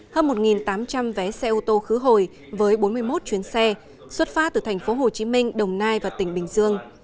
hơn một tám trăm linh vé xe ô tô khứ hồi với bốn mươi một chuyến xe xuất phát từ thành phố hồ chí minh đồng nai và tỉnh bình dương